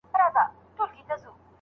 هم دنیا هم یې عقبی دواړه بادار وي